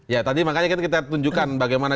ya tadi makanya kita tunjukkan bagaimana